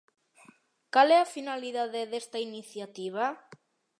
Cal é a finalidade desta iniciativa?